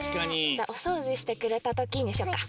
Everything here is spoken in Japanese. じゃあ「おそうじしてくれたとき」にしよっか。